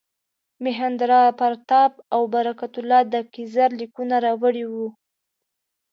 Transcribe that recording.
مهیندراپراتاپ او برکت الله د کیزر لیکونه راوړي وو.